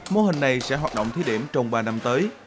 mô hình này sẽ hoạt động thí điểm trong ba năm tới